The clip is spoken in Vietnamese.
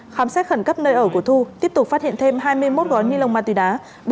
khám xét khẩn cấp nơi ở của thu tiếp tục phát hiện thêm hai mươi một gói ni lông ma túy đá